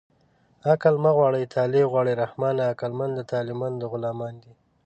عقل مه غواړه طالع غواړه رحمانه عقلمند د طالعمندو غلامان دي